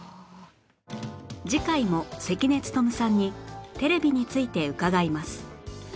次回も関根勤さんにテレビについて伺います